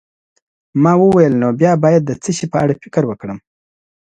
ما وویل: نو بیا باید د څه شي په اړه فکر وکړم؟